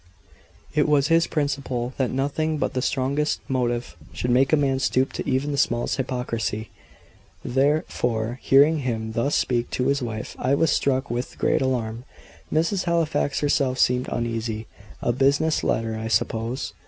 It was his principle, that nothing but the strongest motive should make a man stoop to even the smallest hypocrisy. Therefore, hearing him thus speak to his wife, I was struck with great alarm. Mrs. Halifax herself seemed uneasy. "A business letter, I suppose?"